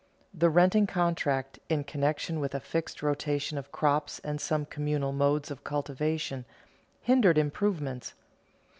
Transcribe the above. The renting contract, in connection with a fixed rotation of crops and some communal modes of cultivation, hindered improvements.